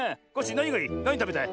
なにたべたい？